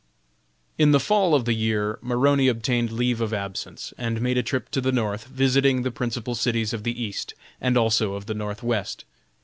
In the fall of the year, Maroney obtained leave of absence, and made a trip to the North, visiting the principal cities of the East, and also of the Northwest.